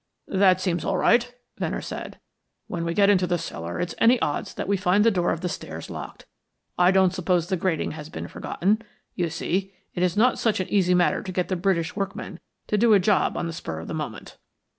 "That seems all right," Venner said. "When we get into the cellar it's any odds that we find the door of the stairs locked. I don't suppose the grating has been forgotten. You see, it is not such an easy matter to get the British workman to do a job on the spur of the moment."